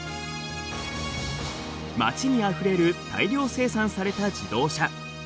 街にあふれる大量生産された自動車。